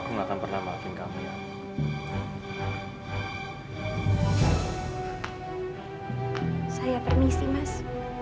saya permisi mas